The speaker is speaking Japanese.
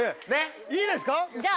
いいですか？